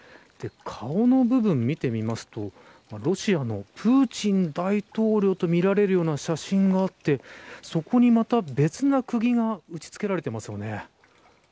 顔の部分、見てみますとロシアのプーチン大統領と見られるような写真があってそこにまた別なくぎが打ち付けられていますね。